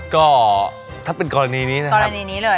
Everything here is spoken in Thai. ก็ถ้าเป็นกรณีนี้นะครับ